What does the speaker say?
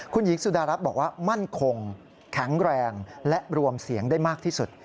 คุณหญิงสุดารัฐบอกว่ามั่นคงแข็งแรงและรวมเสียงได้มากที่สุด